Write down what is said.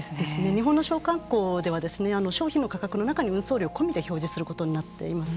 日本の商慣行では商品の価格の中に運送料込みで表示することになっています。